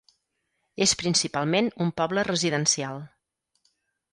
És principalment un poble residencial.